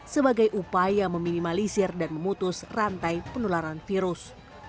sebagai upaya meminimalisir dan memutus rantai penularan virus